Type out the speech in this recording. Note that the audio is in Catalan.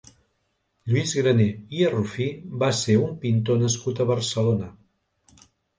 Lluís Graner i Arrufí va ser un pintor nascut a Barcelona.